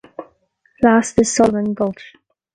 Last is Sullivan Gulch.